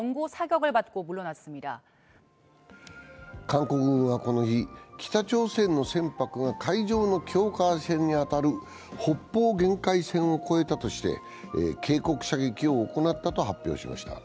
韓国軍はこの日、北朝鮮の船舶が海上の境界線に当たる北方限界線を越えたとして警告射撃を行ったと発表しました。